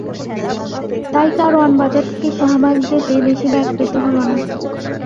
তাই কারওয়ান বাজার থেকে শাহবাগ যেতে বেশি বেগ পেতে হলো না।